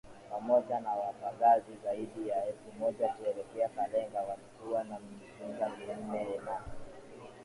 pamoja na wapagaji zaidi ya elfu moja kuelekea Kalenga Walikuwa na mizinga minne na